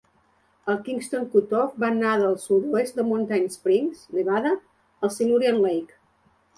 El Kingston Cutoff va anar del sud-oest de Mountain Springs, Nevada, al Silurian Lake.